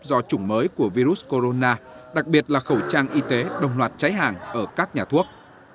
do chủng mới của virus corona đặc biệt là khẩu trang y tế đồng loạt cháy hàng ở các nhà thuốc